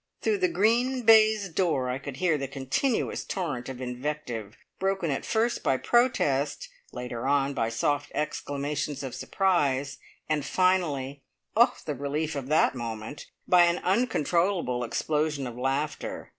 Through the green baize door I could hear the continuous torrent of invective, broken at first by protest, later on by soft exclamations of surprise, and finally oh, the relief of that moment! by an uncontrollable explosion of laughter.